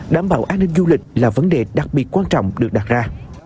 đảm bảo an ninh du lịch là vấn đề đặc biệt quan trọng được đặt ra